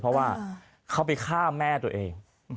เพราะว่าเขาไปฆ่าแม่ตัวเอง